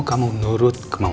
kamu nurut kemauanmu